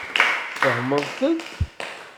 Tfehmeḍ-ten?